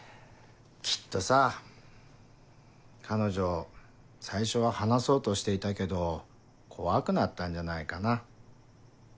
きっとさ彼女最初は話そうとしていたけど怖くなったんじゃないかな。